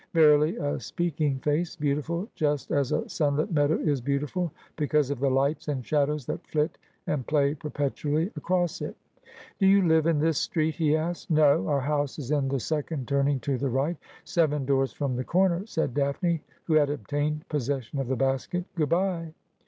Verily a speaking face — beautiful just as a sunlit meadow is beautiful, because of the lights and shadows that fiit and play perpetually across it. ' Do you live in this street ?' he asked. ' No ; our house is in the second turning to the right, seven doors from the corner,' said Daphne, who had obtained possession of the basket. ' G ood bye.'